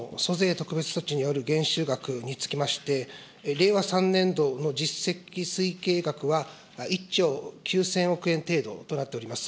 特別措置による減収額につきまして、令和３年度の実績推計額は１兆９０００億円程度となっております。